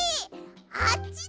あっちだ！